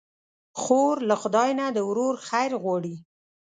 خور له خدای نه د ورور خیر غواړي.